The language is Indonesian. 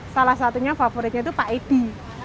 salah satunya favoritnya itu pak edi